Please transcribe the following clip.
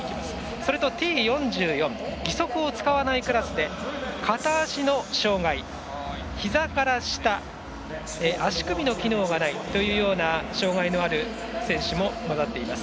それとＴ４４義足を使わないクラスで片足の障がい、ひざから下足首の機能がないというような障がいのある選手も交ざっています。